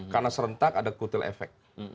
karena serentak ada kutil efek